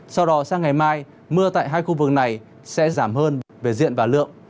sau đó sang ngày mai mưa tại hai khu vực này sẽ giảm hơn về diện và lượng